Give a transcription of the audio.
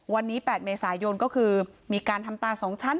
วันนี้๘เมษายนก็คือมีการทำตา๒ชั้น